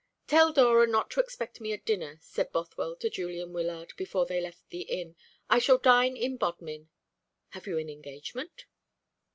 "Tell Dora not to expect me at dinner," said Bothwell to Julian Wyllard, before they left the inn; "I shall dine in Bodmin." "Have you any engagement?"